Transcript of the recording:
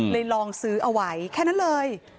ลองซื้อเอาไว้แค่นั้นเลย